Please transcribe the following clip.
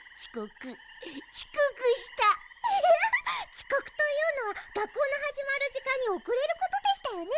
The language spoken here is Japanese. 「ちこく」というのはがっこうのはじまるじかんにおくれることでしたよね。